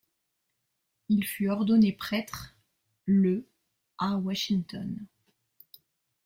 Il fut ordonné prêtre le à Washington.